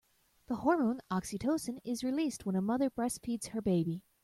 The hormone oxytocin is released when a mother breastfeeds her baby.